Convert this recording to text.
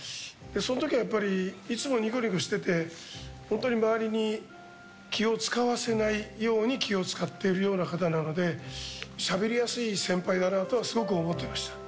そのときはやっぱり、いつもにこにこしてて、本当に周りに気を遣わせないように気を遣っているような方なので、しゃべりやすい先輩だなとはすごく思ってました。